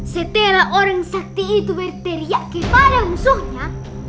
setelah orang sakti itu berteriak kepada musuhnya